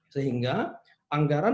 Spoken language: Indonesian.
sehingga anggaran kita sudah berubah